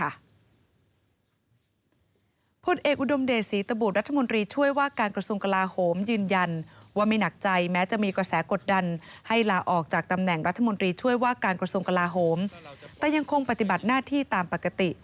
ล่าสุดวันนี้ค่ะพลเอกอุดมเดชน์ออกมายืนยันว่าจะไม่ลาออกจากตำแหน่งนะคะด้านพลเอกชาติอุดมติธศิริก็ออกมายืนยันว่าการใช้งบประมาณของกองทัพในการจะสร้างอุทยานราชพักษ์